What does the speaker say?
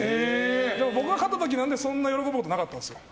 僕が勝った時なんてそんなに喜ぶことなかったんですよ。